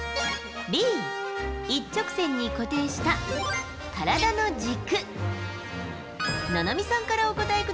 Ｂ、一直線に固定した体の軸。